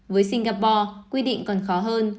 với singapore quy định còn khó hơn